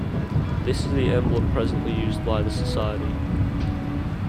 This is the emblem presently used by the society.